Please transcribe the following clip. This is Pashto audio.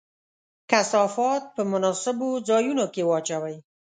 کثافات په مناسبو ځایونو کې واچوئ.